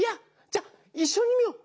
じゃあいっしょに見よう！